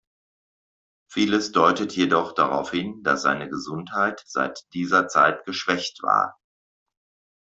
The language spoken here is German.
Vieles deutet jedoch darauf hin, dass seine Gesundheit seit dieser Zeit geschwächt war.